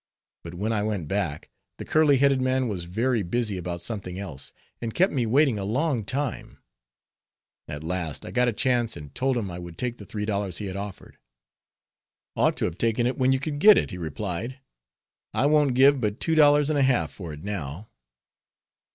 But when I went back, the curly headed man was very busy about something else, and kept me waiting a long time; at last I got a chance and told him I would take the three dollars he had offered. "Ought to have taken it when you could get it," he replied. "I won't give but two dollars and a half for it now."